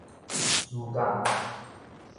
史港